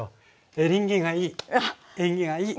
「エリンギ」がいい縁起がいい。